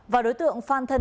vào đối tượng phan thân